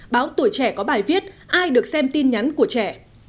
báo tuổi trẻ có bài viết ai được xem tin nhắn của trẻ